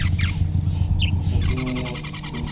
Escoger un loci.